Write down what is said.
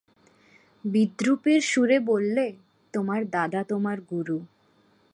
বিদ্রূপের সুরে বললে, তোমার দাদা তোমার গুরু!